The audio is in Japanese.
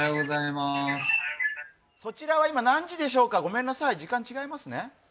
そちらは今、何時でしょうか、ごめんなさい、時間違いますね。